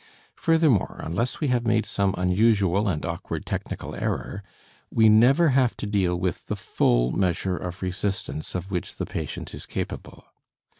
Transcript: Furthermore, unless we have made some unusual and awkward technical error, we never have to deal with the full measure of resistance of which the patient is capable.